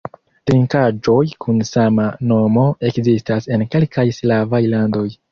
Trinkaĵoj kun sama nomo ekzistas en kelkaj slavaj landoj.